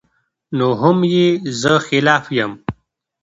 نو هم ئې زۀ خلاف يم